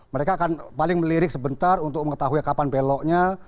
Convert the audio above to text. mereka akan paling melirik sebentar untuk mengetahui kapan beloknya